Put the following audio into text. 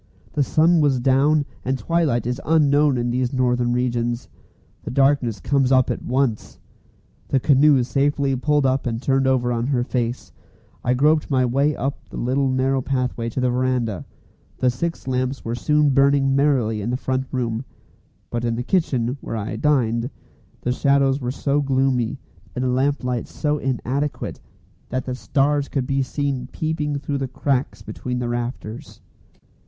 The sun was down, and twilight is unknown in these northern regions. The darkness comes up at once. The canoe safely pulled up and turned over on her face, I groped my way up the little narrow pathway to the verandah. The six lamps were soon burning merrily in the front room; but in the kitchen, where I "dined," the shadows were so gloomy, and the lamplight was so inadequate, that the stars could be seen peeping through the cracks between the rafters.